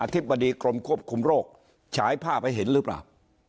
ธิบดีกรมควบคุมโรคฉายภาพให้เห็นหรือเปล่า